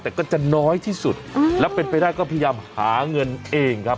แต่ก็จะน้อยที่สุดแล้วเป็นไปได้ก็พยายามหาเงินเองครับ